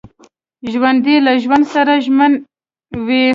ژوندي له ژوند سره ژمن وي